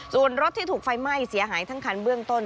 ส่วนรถที่ถูกไฟไหม้เสียหายทั้งคันเบื้องต้น